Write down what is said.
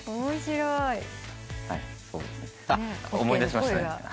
思い出しました。